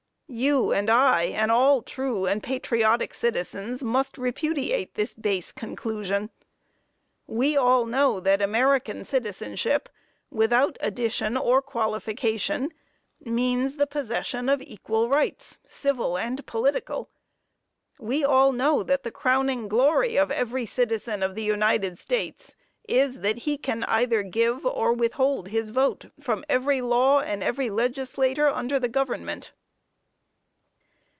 You and I, and all true and patriotic citizens must repudiate this base conclusion. We all know that American citizenship, without addition or qualification, means the possession of equal rights, civil and political. We all know that the crowning glory of every citizen of the United States is, that he can either give or withhold his vote from every law and every legislator under the government.